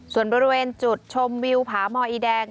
ส่วนบริเวณจุดชมวิวผาหมออีแดง